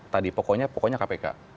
tadi pokoknya pokoknya kpk